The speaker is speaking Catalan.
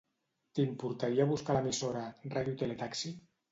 T'importaria buscar l'emissora "Radio Tele Taxi"?